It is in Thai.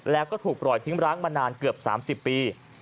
แล้วก็ถูกปล่อยทิ้งร้างมานานเกือบ๓๐ปี